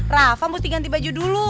rafa mesti ganti baju dulu